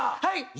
はい。